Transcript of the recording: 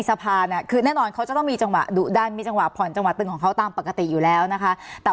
สนับสนุนโดยทีโพพิเศษถูกอนามัยสะอาดใสไร้คราบ